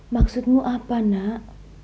maksudmu apa nak